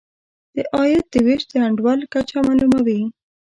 د عاید د وېش د انډول کچه معلوموي.